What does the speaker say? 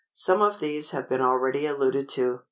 Some of these have been already alluded to.